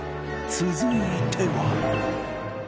続いては